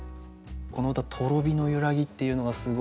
この歌「とろ火のゆらぎ」っていうのがすごいいい。